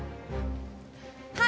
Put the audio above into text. はい。